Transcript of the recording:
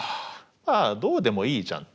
まあどうでもいいじゃんと。